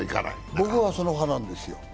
僕はその派なんですよ